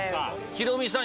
ヒロミさん